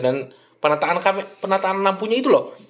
dan penataan lampunya itu loh